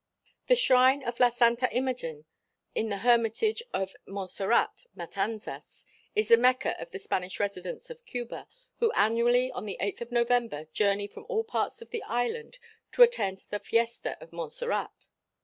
The Shrine of La Santa Imagen in the Hermitage of Monserrat, Matanzas, is the Mecca of the Spanish residents of Cuba, who annually in the 8th of November journey from all parts of the Island to attend the fiesta of Monserrat.